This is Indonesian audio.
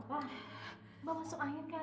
bisa berikut waktu kita jumpa